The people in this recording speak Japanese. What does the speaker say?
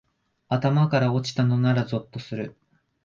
頭から落ちたのならゾッとする